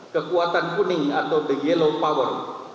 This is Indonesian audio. kekuatan kuning atau the yellow power